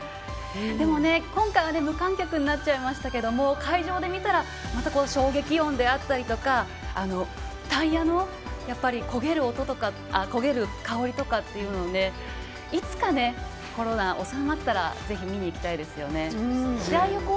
今回、無観客になっちゃいましたけど会場で見たら衝撃音であったりとかタイヤの焦げるかおりとかっていうのをいつかコロナ収まったらぜひ見に行きたいですよね。